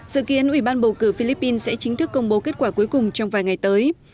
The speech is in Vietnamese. dự kiến ủy ban bầu cử philippines sẽ chính thức công bố kết quả cuối cùng trong vài ngày tới